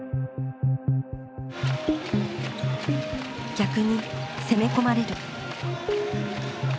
逆に攻め込まれる。